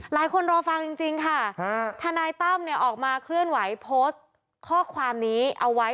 รอฟังจริงค่ะทนายตั้มเนี่ยออกมาเคลื่อนไหวโพสต์ข้อความนี้เอาไว้